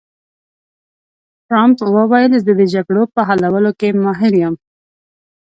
ټرمپ وویل، زه د جګړو په حلولو کې ماهر یم.